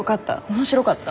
面白かった。